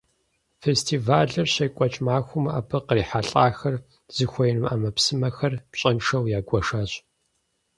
Фестивалыр щекӀуэкӀ махуэм, абы кърихьэлӀахэр зыхуеину Ӏэмэпсымэхэр пщӀэншэу ягуэшащ.